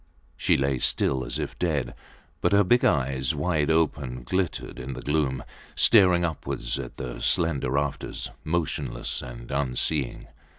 She lay still, as if dead; but her big eyes, wide open, glittered in the gloom, staring upwards at the slender rafters, motionless and unseeing.